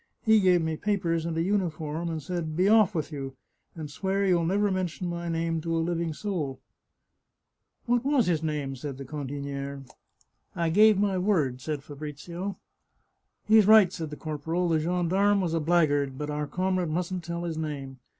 He gave me papers and a uniform, and said, ' Be off with you, and swear you'll never mention my name to a living soul.' "" What was his name ?" said the cantiniere. " I gave my word," said Fabrizio. " He's right," said the corporal. " The gendarme was a blackguard, but our comrade mustn't tell his name.